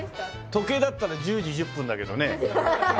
時計だったら１０時１０分だけどね。